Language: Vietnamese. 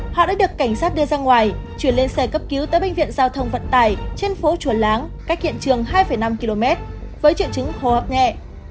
họ đã được cảnh sát đưa ra ngoài chuyển lên xe cấp cứu tới bệnh viện giao thông vận tải trên phố chùa láng cách hiện trường hai năm km với triệu chứng hô hấp nhẹ